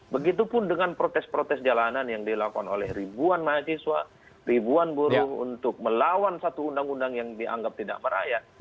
begitupun dengan protes protes jalanan yang dilakukan oleh ribuan mahasiswa ribuan buruh untuk melawan satu undang undang yang dianggap tidak merayat